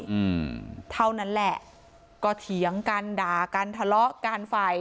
อืมเท่านั้นแหละก็เถียงกันด่ากันทะเลาะกันฝ่าย